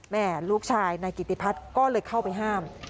แม่ลูกชายนายกิติพัฒน์ก็เลยเข้าไปห้าม